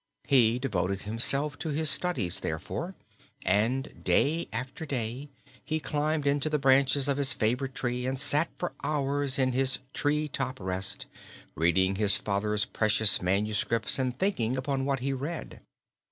He devoted himself to his studies, therefore, and day after day he climbed into the branches of his favorite tree and sat for hours in his "tree top rest," reading his father's precious manuscripts and thinking upon what he read.